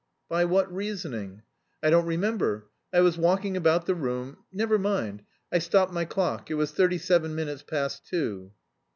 "By what reasoning?" "I don't remember; I was walking about the room; never mind. I stopped my clock. It was thirty seven minutes past two."